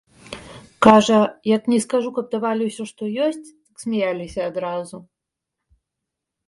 Кажа, як ні скажу, каб давалі ўсе, што ёсць, то смяяліся адразу.